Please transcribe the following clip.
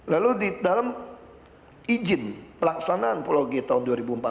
lalu di dalam izin pelaksanaan pulau g tahun dua ribu empat belas